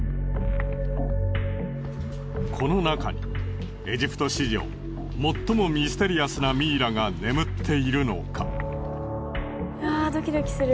この中にエジプト史上最もミステリアスなミイラが眠っているのか？